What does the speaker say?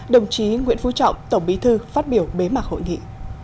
đồng chí nguyễn phú trọng tổng bí thư phát biểu bế mạc hội nghị